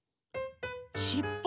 しっぽ？